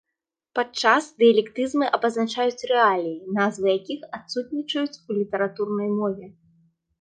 Падчас дыялектызмы абазначаюць рэаліі, назвы якіх адсутнічаюць у літаратурнай мове.